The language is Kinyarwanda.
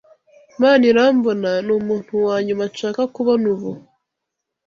Manirambona numuntu wanyuma nshaka kubona ubu.